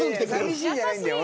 寂しいんじゃないんだよ。